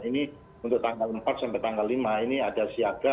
ini untuk tanggal empat sampai tanggal lima ini ada siaga